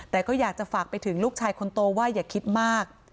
แต่ก็อยากจะฝากไปถึงลูกชายคนโตว่าอย่าคิดมาก